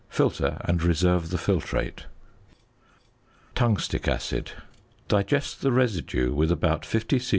Filter, and reserve the filtrate. ~Tungstic Acid.~ Digest the residue with about 50 c.c.